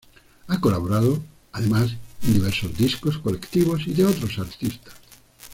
Ha colaborado, además, en diversos discos colectivos y de otros artistas.